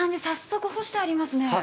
早速干してありますね。